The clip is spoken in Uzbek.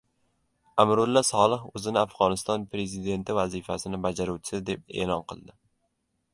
Amrulla Solih o‘zini Afg‘oniston prezidenti vazifasini bajaruvchisi deb e’lon qildi